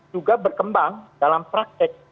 juga berkembang dalam praktek